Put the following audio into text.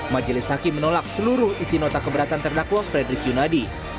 majelis hakim menolak seluruh isi nota keberatan terdakwa frederick yunadi